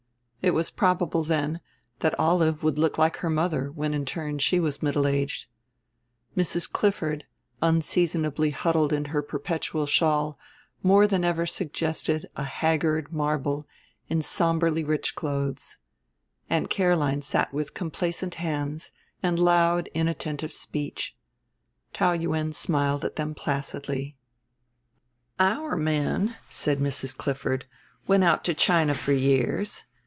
It was probable, then, that Olive would look like her mother when in turn she was middle aged. Mrs. Clifford, unseasonably huddled in her perpetual shawl, more than ever suggested a haggard marble in somberly rich clothes. Aunt Caroline sat with complacent hands and loud inattentive speech. Taou Yuen smiled at them placidly. "Our men," said Mrs. Clifford, "went out to China for years.